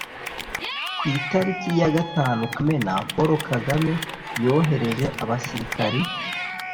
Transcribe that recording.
ku itariki ya gatanu kamena paul kagame yohereje abasirikari